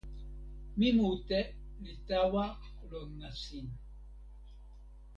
mi mute li tawa lon nasin.